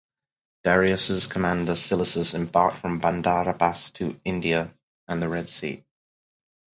Darius's commander, Silacus, embarked from Bandar Abbas to India and the Red Sea.